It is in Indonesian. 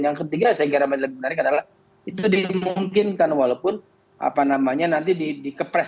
yang ketiga saya kira lebih menarik adalah itu dimungkinkan walaupun apa namanya nanti dikepres